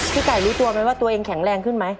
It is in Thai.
ไก่รู้ตัวไหมว่าตัวเองแข็งแรงขึ้นไหม